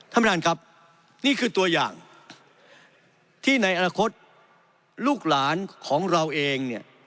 ท่านประธานครับนี่คือตัวอย่างที่ในอนาคตลูกหลานของเราเองเนี่ย